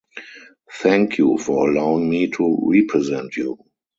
Thank you for allowing me to represent you.